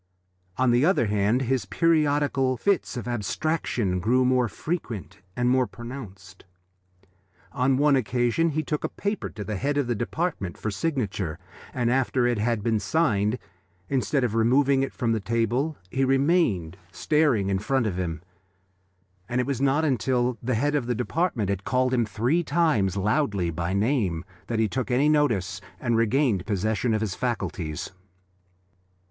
On the other hand, his periodical fits of abstraction grew more frequent and more pronounced. On one occasion he took a paper to the head of the department for signature, and after it had been signed, instead of removing it from the table, he remained staring in front of him, and it was not until the head of the department had called him three times loudly by name that he took any notice and regained possession of his faculties.